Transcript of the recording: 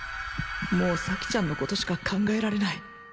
もう咲ちゃんのことしか考えられない